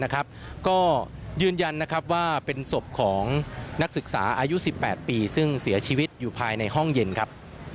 ก็ยืนยันนะครับว่าเป็นศพของนักศึกษาอายุ๑๘ปีซึ่งเสียชีวิตอยู่ภายในห้องเย็นครับ